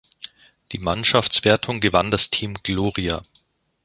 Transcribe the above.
Die Mannschaftswertung gewann das Team Gloria.